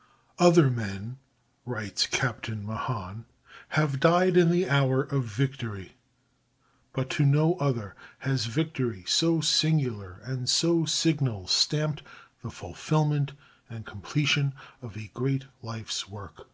_" Other men [writes Captain Mahan] have died in the hour of victory, but to no other has victory so singular and so signal stamped the fulfilment and completion of a great life's work.